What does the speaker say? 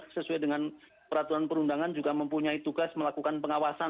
sesuai dengan peraturan perundangan juga mempunyai tugas melakukan pengawasan